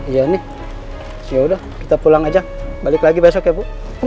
iya nih yaudah kita pulang aja balik lagi besok ya bu